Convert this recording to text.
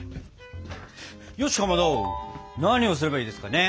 よしかまど何をすればいいですかね？